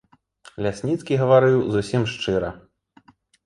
Лясніцкі гаварыў зусім шчыра.